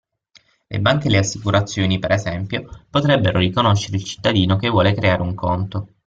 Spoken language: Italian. Le banche e le assicurazioni, per esempio, potrebbero riconoscere il cittadino che vuole creare un conto.